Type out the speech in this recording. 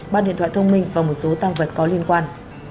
ba điện thoại thông minh và một số tăng vật có liên quan